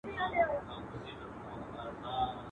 خولې اسمان ته د وړوكو د لويانو.